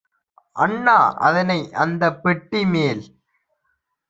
"அண்ணா அதனை அந்தப் பெட்டிமேல்